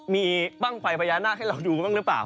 มีบ้างไฟพญานาคให้เราดูบ้างหรือเปล่า